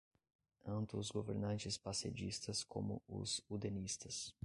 anto os governantes pessedistas como os udenistas